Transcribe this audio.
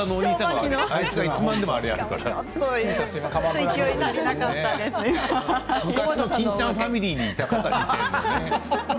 いつまでもあれをやるから昔の欽ちゃんファミリーにいた方みたいなね。